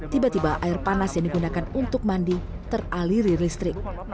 tiba tiba air panas yang digunakan untuk mandi teraliri listrik